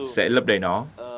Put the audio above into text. sẽ lập đầy nó